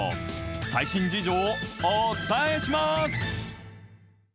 最新事情をお伝えします。